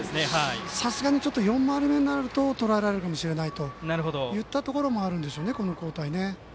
さすがにちょっと４回り目になるととらえられるかもしれないといったところもあるんでしょうね、この交代。